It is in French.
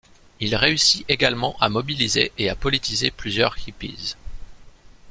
Il réussit également à mobiliser et à politiser plusieurs hippies.